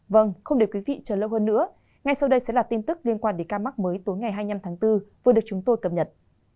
vâng không để quý vị chờ lâu hơn nữa ngay sau đây sẽ là tin tức liên quan đến ca mắc mới tối ngày hai mươi năm tháng bốn vừa được chúng tôi cập nhật